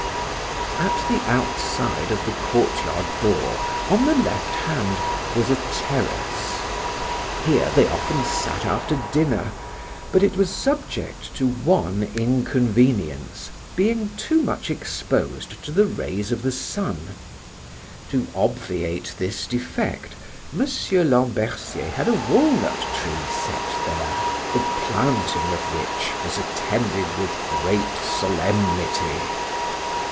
At the outside of the courtyard door, on the left hand, was a terrace; here they often sat after dinner; but it was subject to one inconvenience, being too much exposed to the rays of the sun; to obviate this defect, Mr. Lambercier had a walnut tree set there, the planting of which was attended with great solemnity.